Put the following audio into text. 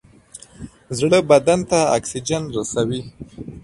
زړه بدن ته اکسیجن رسوي.